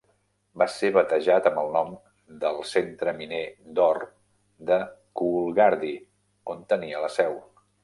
Va ser batejat amb el nom del centre miner d'or de Coolgardie, on tenia la seu.